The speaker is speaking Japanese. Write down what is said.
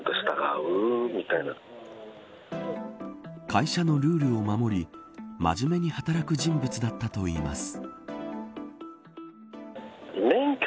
会社のルールを守り真面目に働く人物だったといいます。